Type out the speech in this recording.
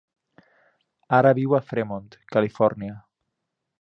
Ara viu a Fremont, Califòrnia.